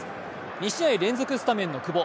２試合連続スタメンの久保。